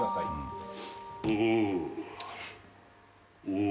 うん。